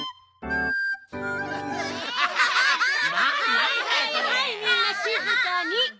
はいはいはいみんなしずかに。